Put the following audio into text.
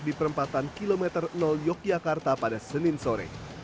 di perempatan kilometer yogyakarta pada senin sore